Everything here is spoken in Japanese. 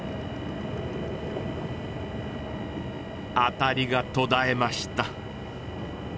アタリが途絶えました。